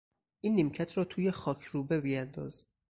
این نیمکت را توی خاکروبه بیانداز.